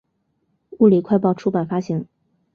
物理快报出版发行。